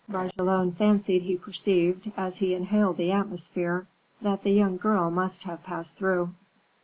Bragelonne fancied he perceived, as he inhaled the atmosphere, that the young girl must have passed through.